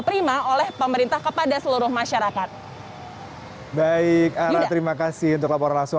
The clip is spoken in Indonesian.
prima oleh pemerintah kepada seluruh masyarakat baik ara terima kasih untuk laporan langsung